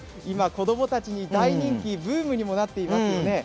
今、子どもたちに大人気ブームにもなっています。